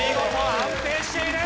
安定している！